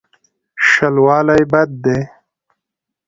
شلوالی بد دی.